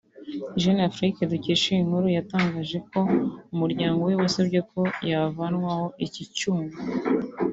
Jeune Afrique dukesha iyi nkuru yatangaje ko umuryango we wasabye ko yavanwaho iki cyuma